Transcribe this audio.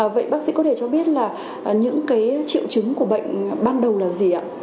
vậy bác sĩ có thể cho biết là những triệu chứng của bệnh ban đầu là gì ạ